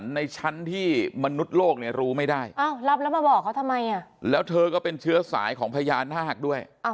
ในชั้นที่มนุษย์โลกเนี่ยรู้ไม่ได้แล้วเธอก็เป็นเชื้อสายของพญานาคด้วย